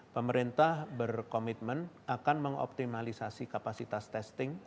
pemerintah berkomitmen akan mengoptimalisasi kapasitas testing